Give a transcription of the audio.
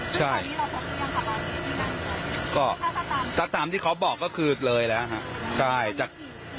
ใช่ก็ถ้าตามที่เขาบอกก็คือเลยแล้วฮะใช่จาก